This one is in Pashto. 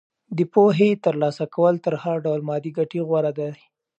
د پوهې ترلاسه کول تر هر ډول مادي ګټې غوره دي.